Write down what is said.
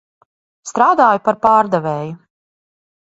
Strādāju par pārdevēju.